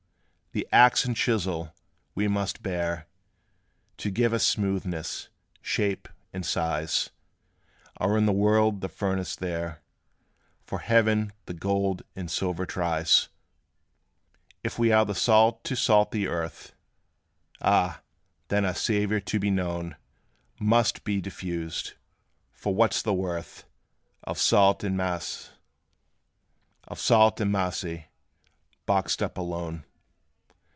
The axe and chisel, we must bear, To give us smoothness, shape, and size, Are in the world the furnace there; For Heaven the gold and silver tries. If we are salt to salt the earth, Ah, then, our savor, to be known, Must be diffused; for what 's the worth Of salt en masse, boxed up alone?